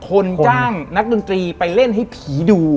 คนจ้างนักดนตรีไปเล่นให้ผีดู